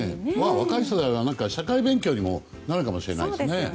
若い人たちは社会勉強にもなるかもしれませんね。